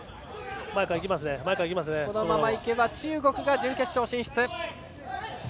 このままいけば中国が準決勝進出。